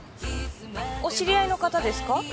お知り合いの方ですか？